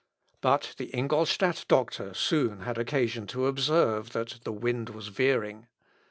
" But the Ingolstadt doctor soon had occasion to observe that the wind was veering.